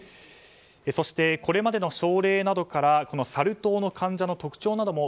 そして、これまでの症例などからこのサル痘の患者の特徴なども